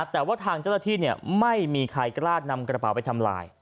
แต่ว่าทางเจ้าหน้าที่ไม่มีใครกล้านำกระเป๋าไปทำลาย